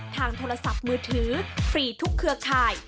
ทางโทรศัพท์มือถือฟรีทุกเครือข่าย